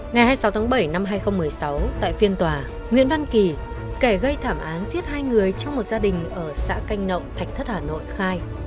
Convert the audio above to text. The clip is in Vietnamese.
ngày hai mươi sáu tháng bảy năm hai nghìn một mươi sáu tại phiên tòa nguyễn văn kỳ kẻ gây thảm án giết hai người trong một gia đình ở xã canh nộng thạch thất hà nội khai